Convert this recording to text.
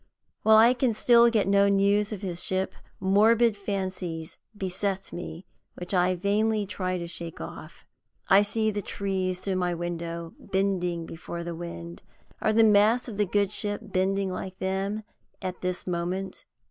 While I can still get no news of his ship, morbid fancies beset me which I vainly try to shake off. I see the trees through my window bending before the wind. Are the masts of the good ship bending like them at this moment?